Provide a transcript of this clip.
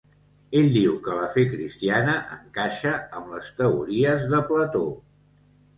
Ell diu que la fe cristiana encaixa amb les teories de Plató.